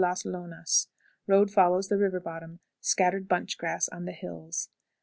Las Lonas. Road follows the river bottom. Scattered bunch grass on the hills. 11.